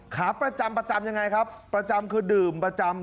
ขาประจำประจำยังไงครับประจำคือดื่มประจำ